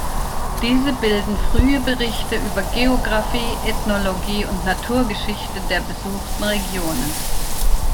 Diese bilden frühe Berichte über Geographie, Ethnologie und Naturgeschichte der besuchten Regionen.